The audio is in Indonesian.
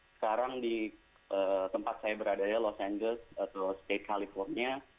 sekarang di tempat saya berada di los angeles atau state california